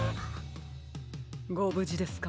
ごぶじですか？